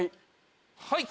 はい。